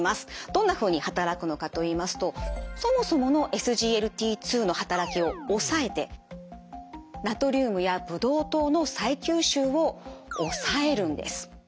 どんなふうに働くのかと言いますとそもそものＳＧＬＴ２の働きを抑えてナトリウムやブドウ糖の再吸収を抑えるんです。